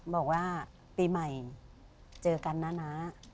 บอกว่าปีใหม่เจอกันนะนะ